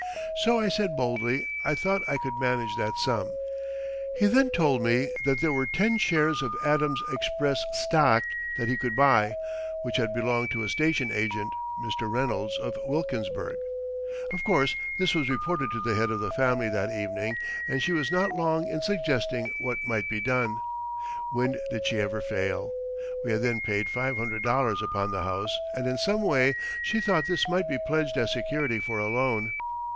So I said boldly I thought I could manage that sum. He then told me that there were ten shares of Adams Express stock that he could buy, which had belonged to a station agent, Mr. Reynolds, of Wilkinsburg. Of course this was reported to the head of the family that evening, and she was not long in suggesting what might be done. When did she ever fail? We had then paid five hundred dollars upon the house, and in some way she thought this might be pledged as security for a loan.